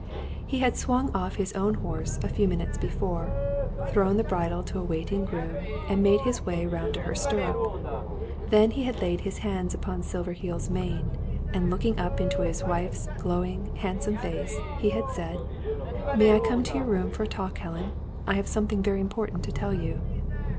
He had swung off his own horse a few moments before; thrown the bridle to a waiting groom, and made his way round to her stirrup. Then he had laid his hand upon Silverheels' mane, and looking up into his wife's glowing, handsome face, he had said: "May I come to your room for a talk, Helen? I have something very important to tell you."